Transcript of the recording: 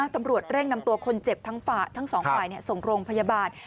ตำรวจเร่งนำตัวคนเจ็บทั้งสองฝ่ายส่งโรงพยาบาล